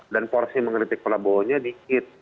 dan porsi mengkritik prabowo nya dikit